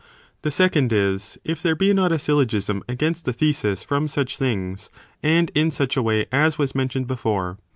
The second is, if there be not a syllogism against the thesis from such things, and in such a way, as was mentioned before.